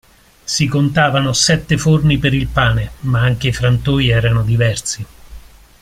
Si contavano sette forni per il pane, ma anche i frantoi erano diversi.